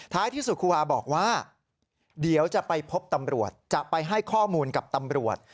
ที่สุดครูวาบอกว่าเดี๋ยวจะไปพบตำรวจจะไปให้ข้อมูลกับตำรวจ